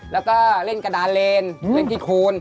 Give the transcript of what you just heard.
แล้วก็เล่นกระดานเลนเล่นที่คูณ